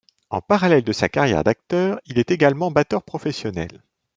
En parallèle de sa carrière d'acteur, il est également batteur professionnel.